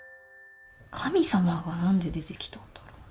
「かみさま」が何で出てきたんだろうな？